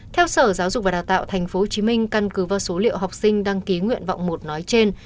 theo sở giáo dục và đào tạo tp hcm căn cứ vào số liệu học sinh đăng ký nguyện vọng một nói trên